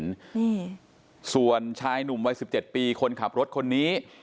นี่ส่วนชายหนุ่มวัย๑๗ปีคนขับรถคนนี้